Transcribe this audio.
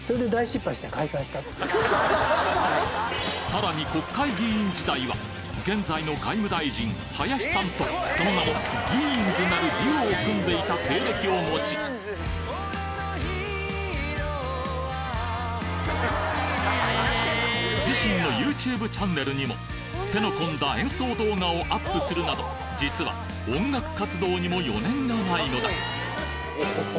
さらに国会議員時代は現在の外務大臣林さんとその名も「ギインズ」なるデュオを組んでいた経歴を持ち自身のＹｏｕＴｕｂｅチャンネルにも手の込んだ演奏動画をアップするなど実は音楽活動にも余念がないのだ